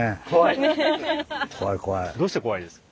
どうして怖いです？